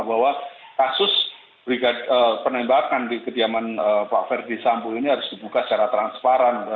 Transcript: bahwa kasus penembakan di kediaman pak ferdi sambo ini harus dibuka secara transparan